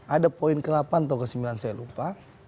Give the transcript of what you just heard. ada poin ke delapan atau ke sembilan saya lupa